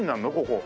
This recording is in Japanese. ここ。